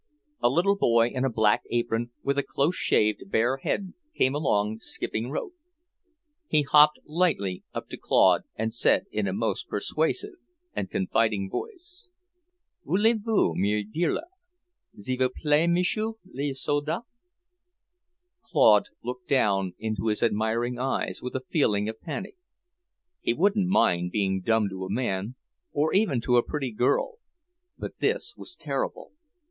A little boy in a black apron, with a close shaved, bare head, came along, skipping rope. He hopped lightly up to Claude and said in a most persuasive and confiding voice, "Voulez vous me dire l'heure, s'il vous plaît, M'sieu' l' soldat?" Claude looked down into his admiring eyes with a feeling of panic. He wouldn't mind being dumb to a man, or even to a pretty girl, but this was terrible.